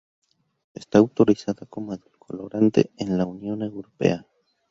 Está autorizada como edulcorante en la Unión Europea.